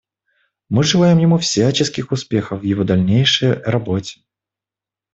Мы желаем ему всяческих успехов в его дальнейшей работе.